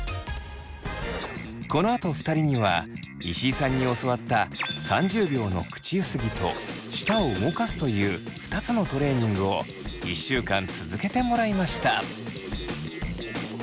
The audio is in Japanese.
このあと２人には石井さんに教わった３０秒の口ゆすぎと舌を動かすという２つのトレーニングを１週間続けてもらいました。